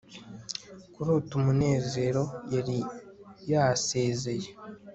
kurota umunezero, yari yasezeye ..